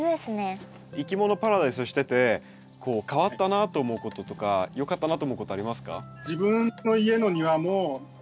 いきものパラダイスをしててこう変わったなと思うこととかよかったなと思うことありますか？